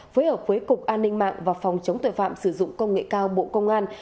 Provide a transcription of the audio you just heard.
phối hợp với cục an ninh mạng và phòng chống tội phạm sử dụng công nghệ cao bộ công an